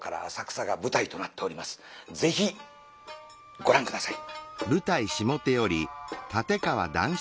ぜひご覧下さい。